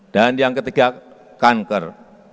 dan yang ketiga kanker